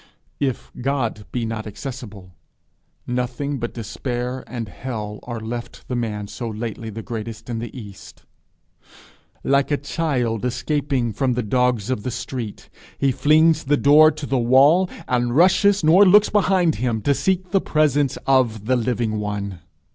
If God be not accessible, nothing but despair and hell are left the man so lately the greatest in the east. Like a child escaping from the dogs of the street, he flings the door to the wall, and rushes, nor looks behind him, to seek the presence of the living one.